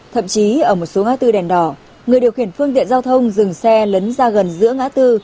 thậm chí ở một số ngã tư đèn đỏ người điều khiển phương tiện giao thông dừng xe lấn ra gần giữa ngã tư